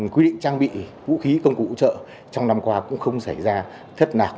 quy định trang bị vũ khí công cụ hỗ trợ trong năm qua cũng không xảy ra thất nạc